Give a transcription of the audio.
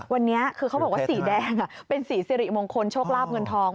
วันนี้คือเขาบอกว่าสีแดงเป็นสีสิริมงคลโชคลาบเงินทอง